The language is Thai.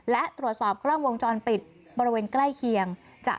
และตรวจสอบกล้องวงจรปิดบริเวณใกล้เคียง